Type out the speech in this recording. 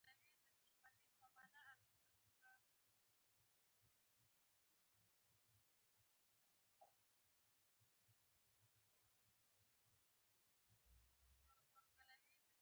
هېواد زموږ ارمان دی